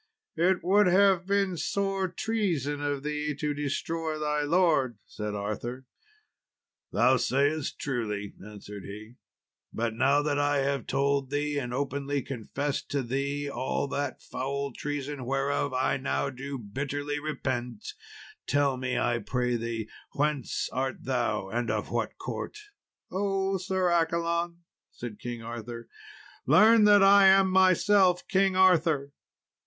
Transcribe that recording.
"It would have been sore treason of thee to destroy thy lord," said Arthur. "Thou sayest truly," answered he; "but now that I have told thee, and openly confessed to thee all that foul treason whereof I now do bitterly repent, tell me, I pray thee, whence art thou, and of what court?" "O, Sir Accolon!" said King Arthur, "learn that I am myself King Arthur."